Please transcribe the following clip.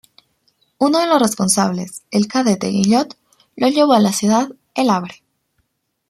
Uno de los responsables, el cadete Guillot, lo llevó a la ciudad El Havre.